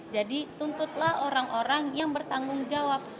jadi tuntutlah orang orang yang bertanggung jawab